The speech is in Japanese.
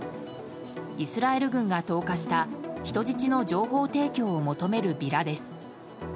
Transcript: イスラエル軍が投下した人質の情報提供を求めるビラです。